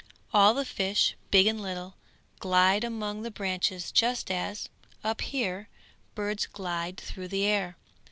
All the fish, big and little, glide among the branches just as, up here, birds glide through the air.